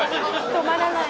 止まらない。